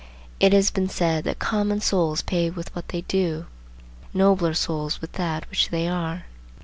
It has been said that "common souls pay with what they do, nobler souls with that which they are."